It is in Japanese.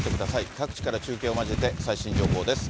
各地から中継を交えて最新情報です。